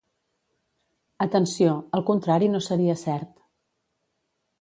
Atenció, el contrari no seria cert.